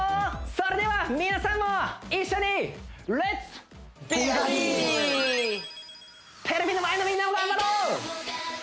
それでは皆さんも一緒にテレビの前のみんなも頑張ろう！